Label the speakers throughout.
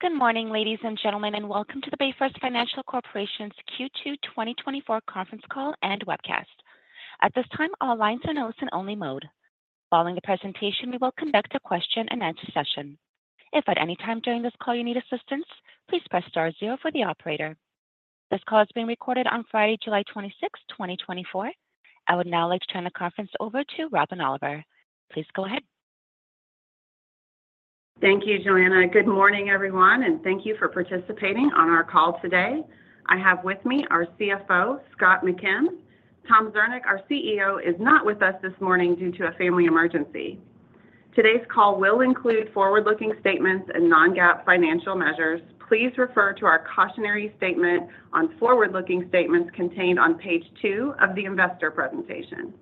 Speaker 1: Good morning, ladies and gentlemen, and welcome to the BayFirst Financial Corporation's Q2 2024 conference call and webcast. At this time, all lines are in listen-only mode. Following the presentation, we will conduct a question-and-answer session. If at any time during this call you need assistance, please press star zero for the operator. This call is being recorded on Friday, July twenty-sixth, twenty twenty-four. I would now like to turn the conference over to Robin Oliver. Please go ahead.
Speaker 2: Thank you, Joanna. Good morning, everyone, and thank you for participating on our call today. I have with me our CFO, Scott McKim. Tom Zernick, our CEO, is not with us this morning due to a family emergency. Today's call will include forward-looking statements and non-GAAP financial measures. Please refer to our cautionary statement on forward-looking statements contained on page 2 of the investor presentation.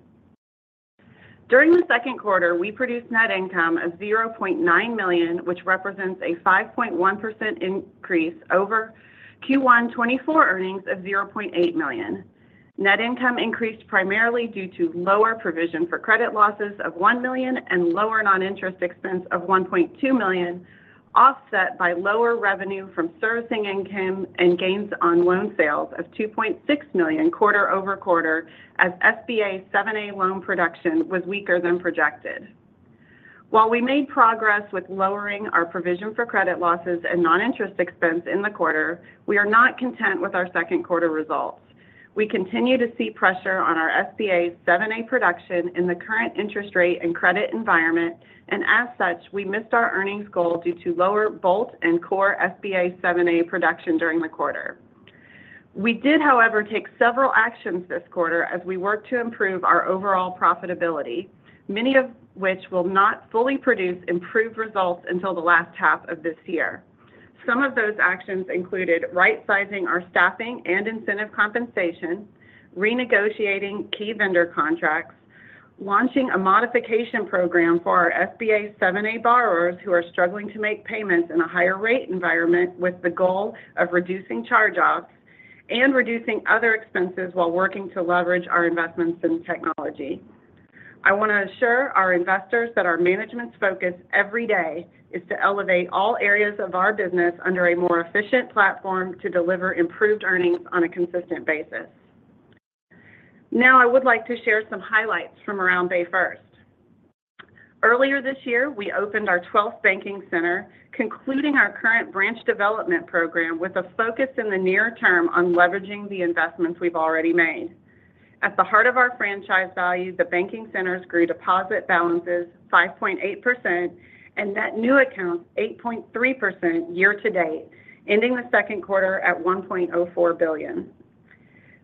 Speaker 2: During the second quarter, we produced net income of $0.9 million, which represents a 5.1% increase over Q1 2024 earnings of $0.8 million. Net income increased primarily due to lower provision for credit losses of $1 million and lower non-interest expense of $1.2 million, offset by lower revenue from servicing income and gains on loan sales of $2.6 million quarter over quarter as SBA 7(a) loan production was weaker than projected. While we made progress with lowering our provision for credit losses and non-interest expense in the quarter, we are not content with our second quarter results. We continue to see pressure on our SBA 7(a) production in the current interest rate and credit environment, and as such, we missed our earnings goal due to lower Bolt and core SBA 7(a) production during the quarter. We did, however, take several actions this quarter as we work to improve our overall profitability, many of which will not fully produce improved results until the last half of this year. Some of those actions included right-sizing our staffing and incentive compensation, renegotiating key vendor contracts, launching a modification program for our SBA 7(a) borrowers who are struggling to make payments in a higher rate environment with the goal of reducing charge-offs and reducing other expenses while working to leverage our investments in technology. I want to assure our investors that our management's focus every day is to elevate all areas of our business under a more efficient platform to deliver improved earnings on a consistent basis. Now, I would like to share some highlights from around BayFirst. Earlier this year, we opened our twelfth banking center, concluding our current branch development program with a focus in the near term on leveraging the investments we've already made. At the heart of our franchise value, the banking centers grew deposit balances 5.8% and net new accounts 8.3% year to date, ending the second quarter at $1.04 billion.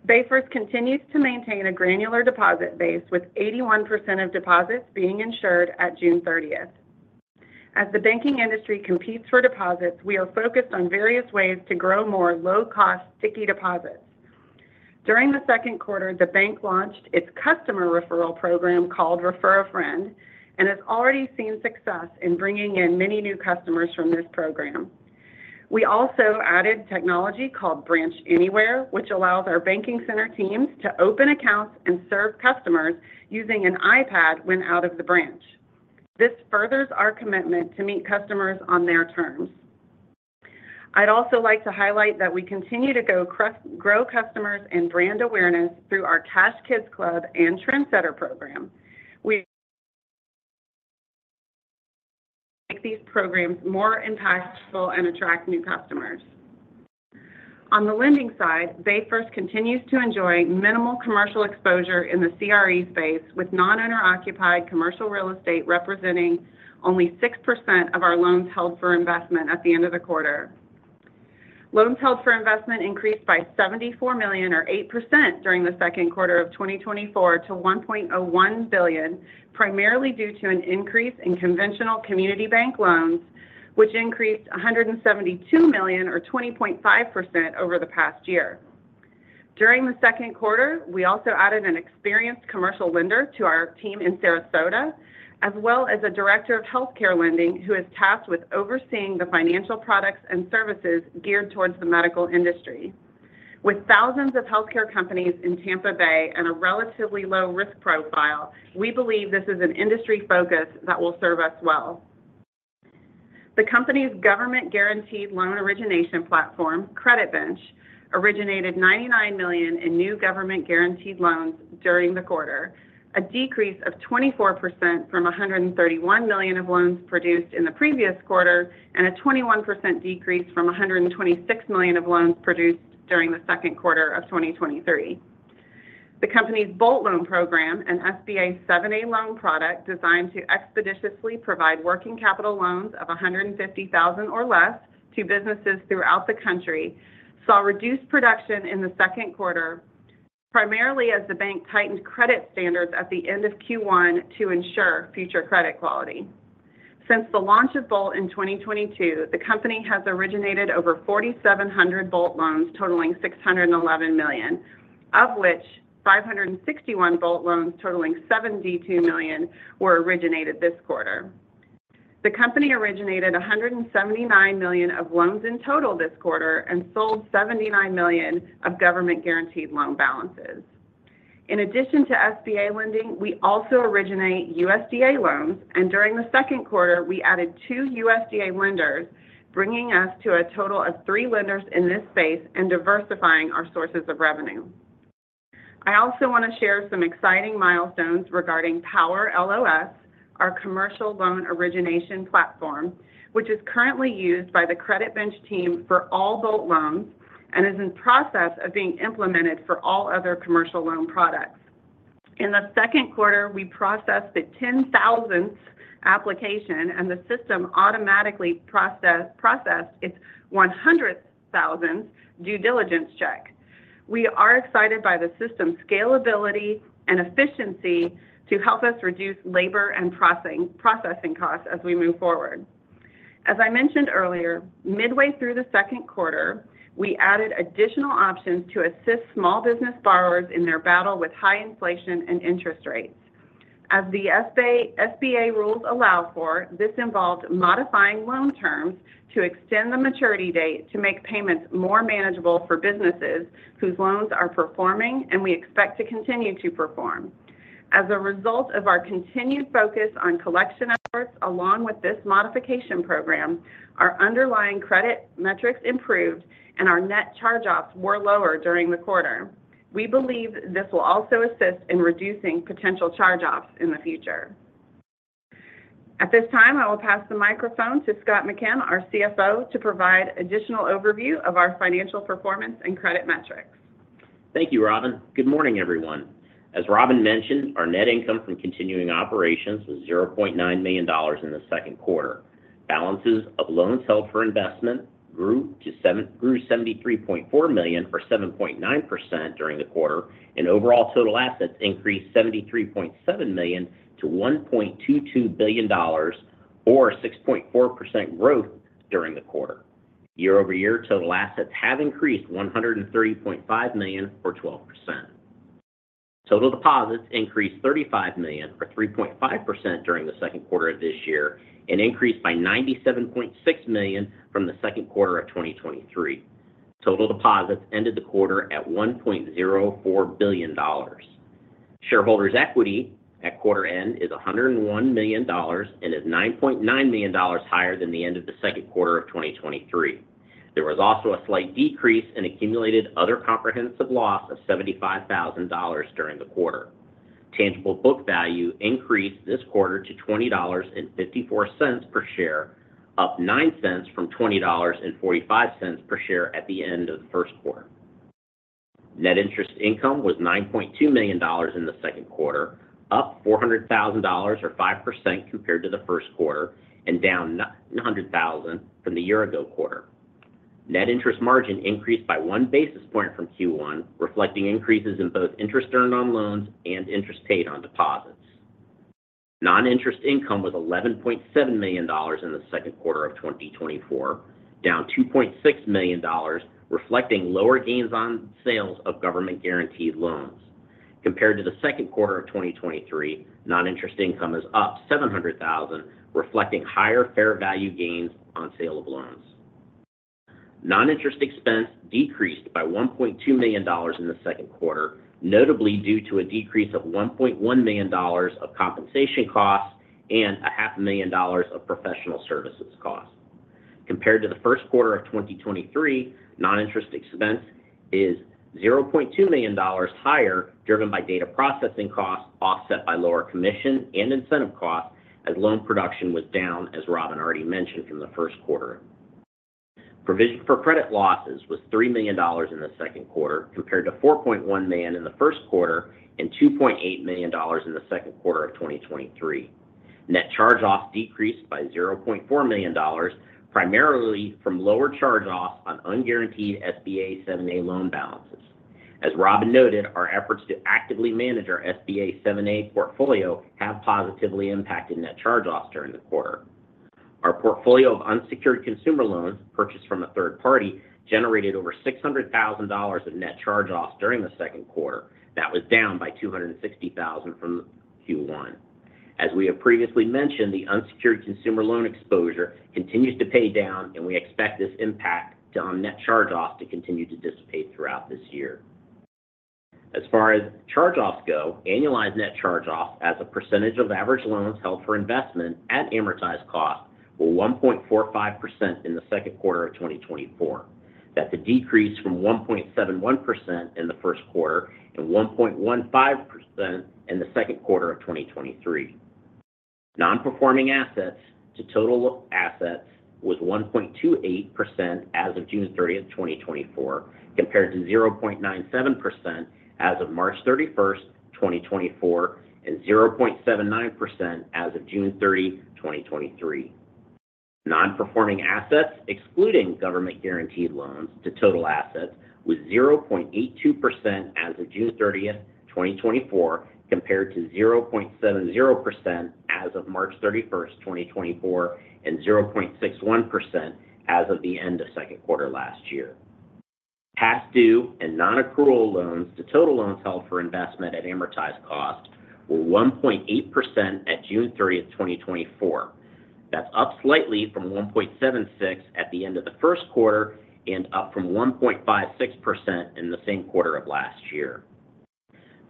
Speaker 2: BayFirst continues to maintain a granular deposit base, with 81% of deposits being insured at June 30. As the banking industry competes for deposits, we are focused on various ways to grow more low-cost, sticky deposits. During the second quarter, the bank launched its customer referral program called Refer a Friend, and has already seen success in bringing in many new customers from this program. We also added technology called Branch Anywhere, which allows our banking center teams to open accounts and serve customers using an iPad when out of the branch. This furthers our commitment to meet customers on their terms. I'd also like to highlight that we continue to grow customers and brand awareness through our Kids Cash Club and TrendSetters program. We make these programs more impactful and attract new customers. On the lending side, BayFirst continues to enjoy minimal commercial exposure in the CRE space, with non-owner occupied commercial real estate representing only 6% of our loans held for investment at the end of the quarter. Loans held for investment increased by $74 million, or 8%, during the second quarter of 2024 to $1.01 billion, primarily due to an increase in conventional community bank loans, which increased $172 million, or 20.5%, over the past year. During the second quarter, we also added an experienced commercial lender to our team in Sarasota, as well as a director of healthcare lending, who is tasked with overseeing the financial products and services geared towards the medical industry. With thousands of healthcare companies in Tampa Bay and a relatively low risk profile, we believe this is an industry focus that will serve us well. The company's government-guaranteed loan origination platform, CreditBench, originated $99 million in new government-guaranteed loans during the quarter, a decrease of 24% from $131 million of loans produced in the previous quarter and a 21% decrease from $126 million of loans produced during the second quarter of 2023. The company's Bolt loan program, an SBA 7(a) loan product designed to expeditiously provide working capital loans of $150,000 or less to businesses throughout the country, saw reduced production in the second quarter, primarily as the bank tightened credit standards at the end of Q1 to ensure future credit quality. Since the launch of Bolt in 2022, the company has originated over 4,700 Bolt loans, totaling $611 million, of which 561 Bolt loans totaling $72 million were originated this quarter. The company originated $179 million of loans in total this quarter and sold $79 million of government-guaranteed loan balances. In addition to SBA lending, we also originate USDA loans, and during the second quarter, we added 2 USDA lenders, bringing us to a total of 3 lenders in this space and diversifying our sources of revenue. I also want to share some exciting milestones regarding PowerLOS, our commercial loan origination platform, which is currently used by the CreditBench team for all Bolt loans and is in process of being implemented for all other commercial loan products. In the second quarter, we processed the 10,000th application, and the system automatically processed its 100,000th due diligence check. We are excited by the system's scalability and efficiency to help us reduce labor and processing costs as we move forward. As I mentioned earlier, midway through the second quarter, we added additional options to assist small business borrowers in their battle with high inflation and interest rates. As the SBA, SBA rules allow for, this involved modifying loan terms to extend the maturity date to make payments more manageable for businesses whose loans are performing and we expect to continue to perform. As a result of our continued focus on collection efforts, along with this modification program, our underlying credit metrics improved and our net charge-offs were lower during the quarter. We believe this will also assist in reducing potential charge-offs in the future. At this time, I will pass the microphone to Scott McKim, our CFO, to provide additional overview of our financial performance and credit metrics.
Speaker 3: Thank you, Robin. Good morning, everyone. As Robin mentioned, our net income from continuing operations was $0.9 million in the second quarter. Balances of loans held for investment grew $73.4 million, or 7.9% during the quarter, and overall total assets increased $73.7 million to $1.22 billion, or 6.4% growth during the quarter. Year-over-year, total assets have increased $103.5 million, or 12%. Total deposits increased $35 million, or 3.5% during the second quarter of this year, and increased by $97.6 million from the second quarter of 2023. Total deposits ended the quarter at $1.04 billion. Shareholders' equity at quarter end is $101 million and is $9.9 million higher than the end of the second quarter of 2023. There was also a slight decrease in accumulated other comprehensive loss of $75,000 during the quarter. Tangible book value increased this quarter to $20.54 per share, up 9 cents from $20.45 per share at the end of the first quarter. Net interest income was $9.2 million in the second quarter, up $400,000 or 5% compared to the first quarter, and down $900,000 from the year ago quarter. Net interest margin increased by 1 basis point from Q1, reflecting increases in both interest earned on loans and interest paid on deposits. Non-interest income was $11.7 million in the second quarter of 2024, down $2.6 million, reflecting lower gains on sales of government-guaranteed loans. Compared to the second quarter of 2023, non-interest income is up $700,000, reflecting higher fair value gains on sale of loans. Non-interest expense decreased by $1.2 million in the second quarter, notably due to a decrease of $1.1 million of compensation costs and $0.5 million of professional services costs. Compared to the first quarter of 2023, non-interest expense is $0.2 million higher, driven by data processing costs, offset by lower commission and incentive costs, as loan production was down, as Robin already mentioned, from the first quarter. Provision for credit losses was $3 million in the second quarter, compared to $4.1 million in the first quarter and $2.8 million in the second quarter of 2023. Net charge-offs decreased by $0.4 million, primarily from lower charge-offs on unguaranteed SBA 7(a) loan balances. As Robin noted, our efforts to actively manage our SBA 7(a) portfolio have positively impacted net charge-offs during the quarter. Our portfolio of unsecured consumer loans, purchased from a third party, generated over $600,000 of net charge-offs during the second quarter. That was down by $260,000 from Q1. As we have previously mentioned, the unsecured consumer loan exposure continues to pay down, and we expect this impact on net charge-offs to continue to dissipate throughout this year. As far as charge-offs go, annualized net charge-offs as a percentage of average loans held for investment at amortized cost were 1.45% in the second quarter of 2024. That's a decrease from 1.71% in the first quarter and 1.15% in the second quarter of 2023. Non-performing assets to total assets was 1.28% as of June 30, 2024, compared to 0.97% as of March 31, 2024, and 0.79% as of June 30, 2023. Non-performing assets, excluding government-guaranteed loans to total assets, was 0.82% as of June 30, 2024, compared to 0.70% as of March 31, 2024, and 0.61% as of the end of second quarter last year. Past due and non-accrual loans to total loans held for investment at amortized cost were 1.8% at June thirtieth, 2024. That's up slightly from 1.76% at the end of the first quarter and up from 1.56% in the same quarter of last year.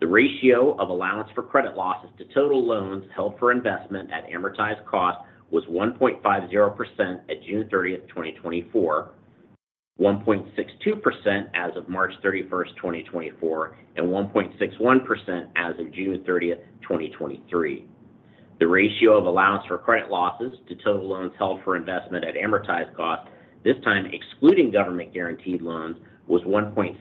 Speaker 3: The ratio of allowance for credit losses to total loans held for investment at amortized cost was 1.50% at June thirtieth, 2024, 1.62% as of March thirty-first, 2024, and 1.61% as of June thirtieth, 2023. The ratio of allowance for credit losses to total loans held for investment at amortized cost, this time excluding government-guaranteed loans, was 1.73%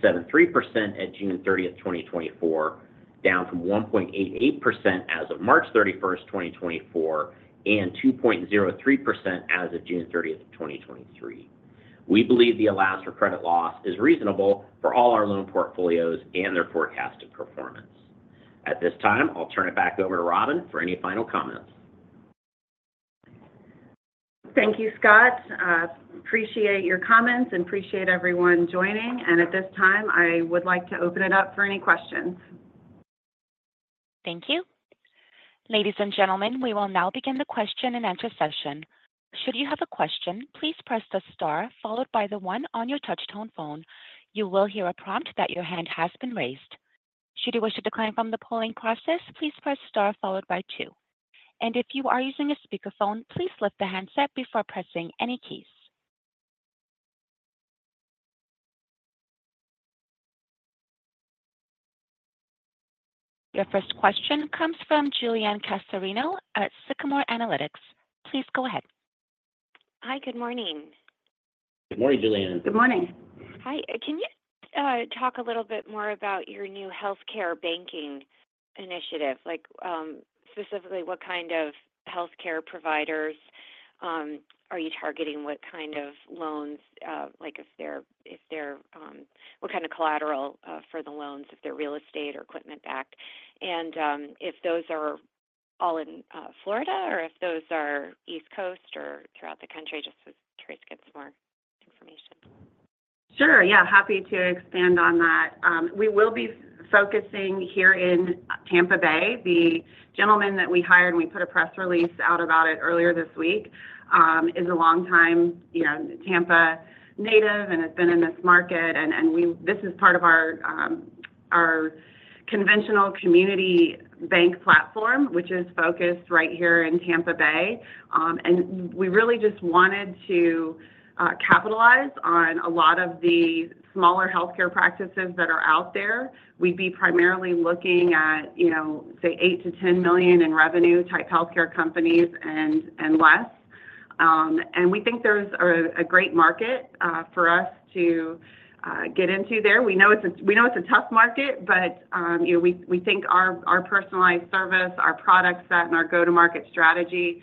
Speaker 3: at June thirtieth, 2024, down from 1.8% as of March thirty-first, 2024, and 2.03% as of June thirtieth, 2023. We believe the allowance for credit loss is reasonable for all our loan portfolios and their forecasted performance. At this time, I'll turn it back over to Robin for any final comments.
Speaker 2: Thank you, Scott. Appreciate your comments and appreciate everyone joining. At this time, I would like to open it up for any questions.
Speaker 1: Thank you. Ladies and gentlemen, we will now begin the question and answer session. Should you have a question, please press the star followed by the one on your touch tone phone. You will hear a prompt that your hand has been raised. Should you wish to decline from the polling process, please press star followed by two. And if you are using a speakerphone, please lift the handset before pressing any keys. Your first question comes from Julienne Cassarino at Sycamore Analytics. Please go ahead.
Speaker 4: Hi, good morning.
Speaker 3: Good morning, Julienne.
Speaker 2: Good morning.
Speaker 4: Hi, can you talk a little bit more about your new healthcare banking initiative? Like, specifically, what kind of healthcare providers are you targeting? What kind of loans, like if they're... What kind of collateral for the loans, if they're real estate or equipment backed? And, if those are all in Florida, or if those are East Coast or throughout the country, just to try to get some more information.
Speaker 2: Sure. Yeah, happy to expand on that. We will be focusing here in Tampa Bay. The gentleman that we hired, we put a press release out about it earlier this week, is a longtime, you know, Tampa native and has been in this market, and this is part of our conventional community bank platform, which is focused right here in Tampa Bay. And we really just wanted to capitalize on a lot of the smaller healthcare practices that are out there. We'd be primarily looking at, you know, say, $8 million-$10 million in revenue-type healthcare companies and less. And we think there's a great market for us to get into there. We know it's a tough market, but, you know, we think our personalized service, our product set, and our go-to-market strategy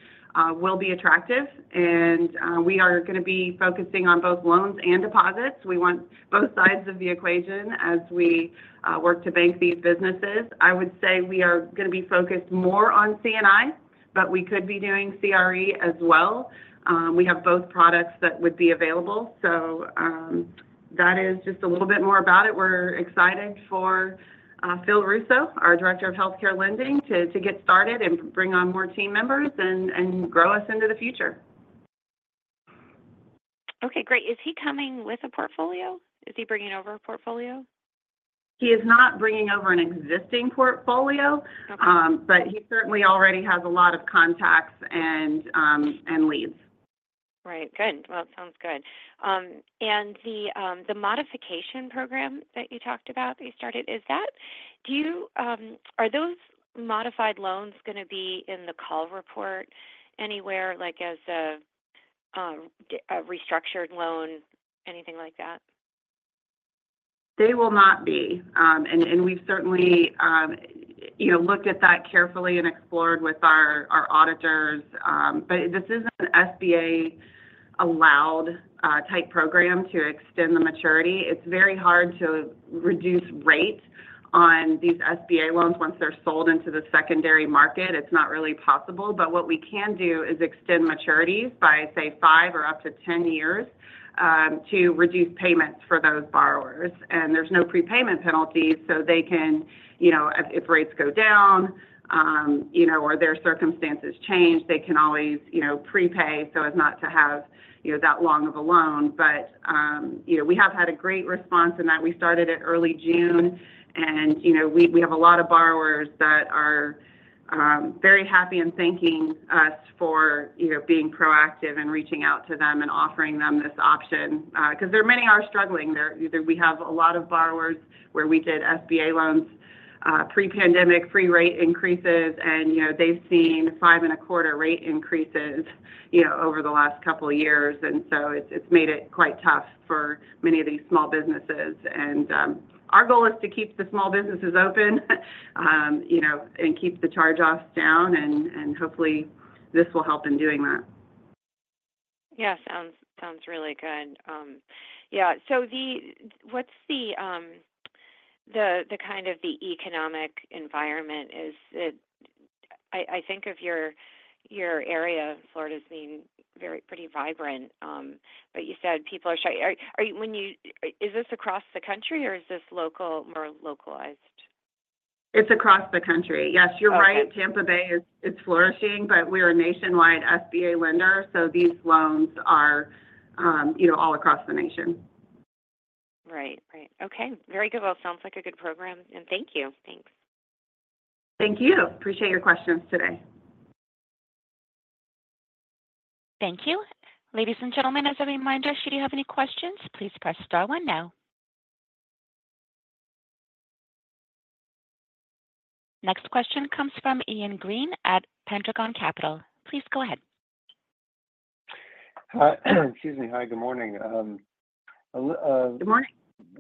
Speaker 2: will be attractive. And we are gonna be focusing on both loans and deposits. We want both sides of the equation as we work to bank these businesses. I would say we are gonna be focused more on C&I, but we could be doing CRE as well. We have both products that would be available. So, that is just a little bit more about it. We're excited for Phil Russo, our Director of Healthcare Lending, to get started and bring on more team members and grow us into the future.
Speaker 4: Okay, great. Is he coming with a portfolio? Is he bringing over a portfolio?
Speaker 2: He is not bringing over an existing portfolio.
Speaker 4: Okay.
Speaker 2: But he certainly already has a lot of contacts and leads.
Speaker 4: Right. Good. Well, sounds good. And the modification program that you talked about, that you started, is that... Are those modified loans gonna be in the call report anywhere, like as a restructured loan, anything like that?
Speaker 2: They will not be. And, and we've certainly, you know, looked at that carefully and explored with our, our auditors, but this is an SBA-allowed, type program to extend the maturity. It's very hard to reduce rate on these SBA loans once they're sold into the secondary market. It's not really possible. But what we can do is extend maturities by, say, 5 or up to 10 years, to reduce payments for those borrowers. And there's no prepayment penalties, so they can, you know, if, if rates go down, you know, or their circumstances change, they can always, you know, prepay so as not to have, you know, that long of a loan. But, you know, we have had a great response in that. We started it early June, and, you know, we, we have a lot of borrowers that are, very happy and thanking us for, you know, being proactive and reaching out to them and offering them this option, 'cause there are many are struggling. There-- either we have a lot of borrowers where we did SBA loans, pre-pandemic, pre-rate increases, and, you know, they've seen 5.25 rate increases, you know, over the last couple of years. And so it's, it's made it quite tough for many of these small businesses. And, our goal is to keep the small businesses open, you know, and keep the charge-offs down, and, and hopefully, this will help in doing that.
Speaker 4: Yeah, sounds really good. Yeah, so what's the kind of economic environment? Is it... I think of your area, Florida, as being very pretty vibrant, but you said people are shying. Are you, when you, is this across the country, or is this local, more localized?...
Speaker 2: It's across the country. Yes, you're right, Tampa Bay is flourishing, but we're a nationwide SBA lender, so these loans are, you know, all across the nation.
Speaker 4: Right. Right. Okay. Very good. Well, sounds like a good program, and thank you. Thanks.
Speaker 2: Thank you. Appreciate your questions today.
Speaker 1: Thank you. Ladies and gentlemen, as a reminder, should you have any questions, please press star one now. Next question comes from Ian Green at Pendragon Capital. Please go ahead.
Speaker 5: Excuse me. Hi, good morning.
Speaker 2: Good morning.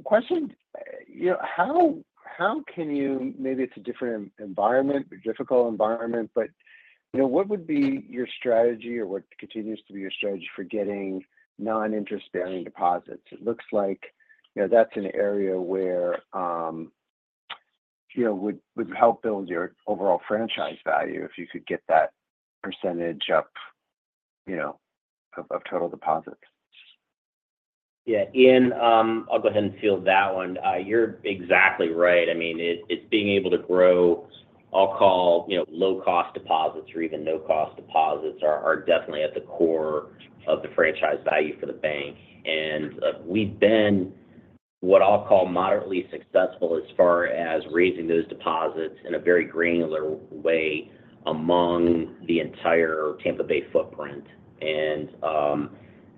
Speaker 5: Question: you know, how can you—maybe it's a different environment, a difficult environment, but, you know, what would be your strategy or what continues to be your strategy for getting non-interest-bearing deposits? It looks like, you know, that's an area where, you know, would help build your overall franchise value if you could get that percentage up, you know, of total deposits.
Speaker 3: Yeah, Ian, I'll go ahead and field that one. You're exactly right. I mean, it's being able to grow. I'll call, you know, low-cost deposits or even no-cost deposits are definitely at the core of the franchise value for the bank. And we've been what I'll call moderately successful as far as raising those deposits in a very granular way among the entire Tampa Bay footprint. And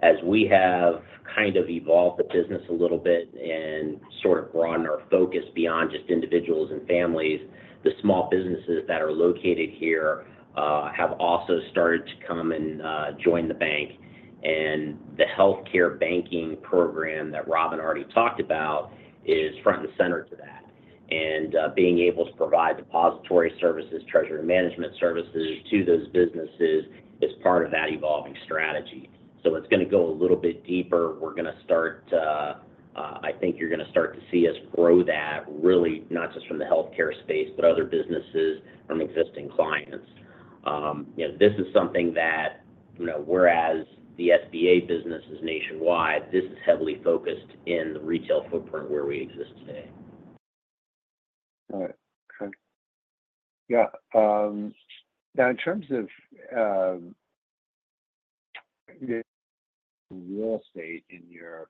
Speaker 3: as we have kind of evolved the business a little bit and sort of broadened our focus beyond just individuals and families, the small businesses that are located here have also started to come and join the bank. And the healthcare banking program that Robin already talked about is front and center to that. And being able to provide depository services, treasury management services to those businesses is part of that evolving strategy. So it's gonna go a little bit deeper. We're gonna start, I think you're gonna start to see us grow that really, not just from the healthcare space, but other businesses from existing clients. You know, this is something that, you know, whereas the SBA business is nationwide, this is heavily focused in the retail footprint where we exist today.
Speaker 5: All right. Okay. Yeah. Now, in terms of the real estate in your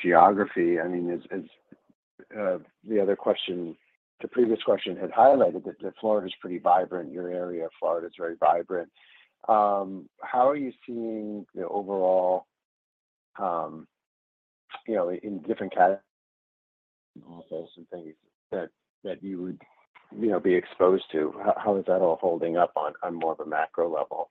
Speaker 5: geography, I mean, as, as the other question, the previous question had highlighted that Florida's pretty vibrant. Your area of Florida is very vibrant. How are you seeing the overall, you know, in different categories, also some things that you would, you know, be exposed to, how is that all holding up on more of a macro level?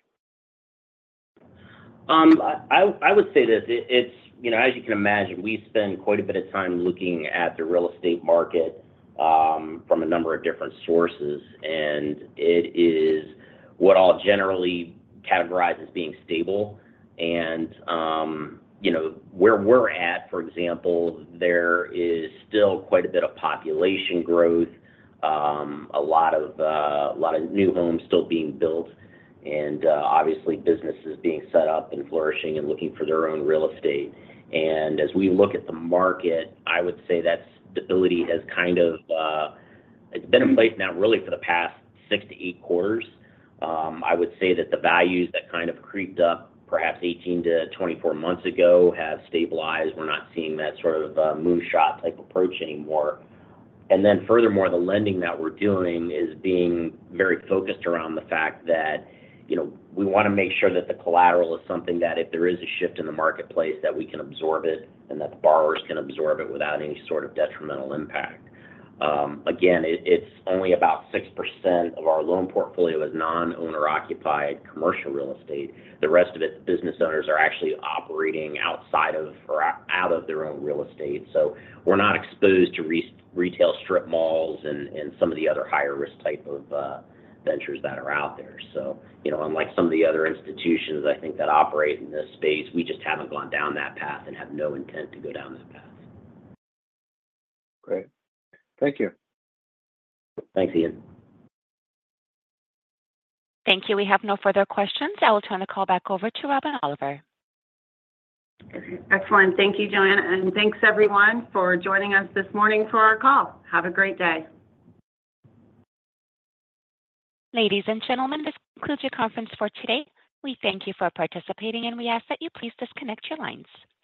Speaker 3: I would say this, it's, you know, as you can imagine, we spend quite a bit of time looking at the real estate market, from a number of different sources, and it is what I'll generally categorize as being stable. And, you know, where we're at, for example, there is still quite a bit of population growth, a lot of, a lot of new homes still being built and, obviously businesses being set up and flourishing and looking for their own real estate. And as we look at the market, I would say that stability has kind of, it's been in place now really for the past 6-8 quarters. I would say that the values that kind of creeped up perhaps 18-24 months ago have stabilized. We're not seeing that sort of moonshot type approach anymore. And then furthermore, the lending that we're doing is being very focused around the fact that, you know, we wanna make sure that the collateral is something that if there is a shift in the marketplace, that we can absorb it, and that the borrowers can absorb it without any sort of detrimental impact. Again, it's only about 6% of our loan portfolio is non-owner-occupied commercial real estate. The rest of it, the business owners are actually operating outside of or out of their own real estate. So we're not exposed to retail strip malls and some of the other higher risk type of ventures that are out there. So, you know, unlike some of the other institutions, I think, that operate in this space, we just haven't gone down that path and have no intent to go down that path.
Speaker 5: Great. Thank you.
Speaker 3: Thanks, Ian.
Speaker 1: Thank you. We have no further questions. I will turn the call back over to Robin Oliver.
Speaker 2: Excellent. Thank you, Joanna, and thanks, everyone, for joining us this morning for our call. Have a great day.
Speaker 1: Ladies and gentlemen, this concludes your conference for today. We thank you for participating, and we ask that you please disconnect your lines.